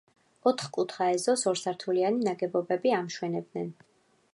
ოთხკუთხა ეზოს ორსართულიანი ნაგებობები ამშვენებენ.